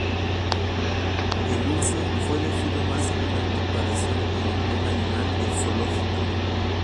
El lince fue elegido más adelante para ser el emblema animal del zoológico.